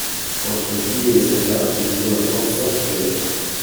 Entre lui et les soldats il y avait maintenant cinq kilomètres.